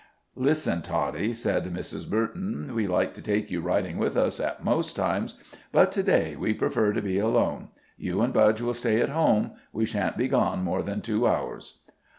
"Listen, Toddy," said Mrs. Burton. "We like to take you riding with us at most times, but to day we prefer to go alone. You and Budge will stay at home we shan't be gone more than two hours."